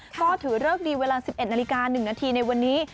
ก็ถือเลิกดีเวลา๑๑นาฬิกา๑นาทีในวันนี้